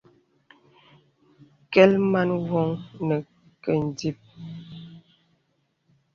Kɛ̀l man wɔŋ nə kɛ ǹdìp.